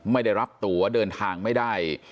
ไม่ได้รับตัวเดินทางไม่ได้